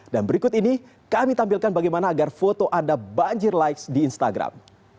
dan berikut ini kami tampilkan bagaimana agar foto ada banjir likes di instagram